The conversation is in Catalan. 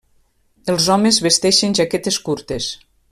Els homes vesteixen jaquetes curtes.